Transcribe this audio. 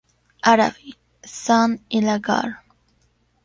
Árabe: San el-Haggar.